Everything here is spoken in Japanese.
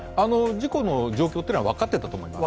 事故の状況は分かってたと思います。